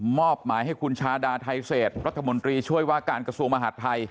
อบหมายให้คุณชาดาไทเศษรัฐมนตรีช่วยว่าการกระทรวงมหาดไทย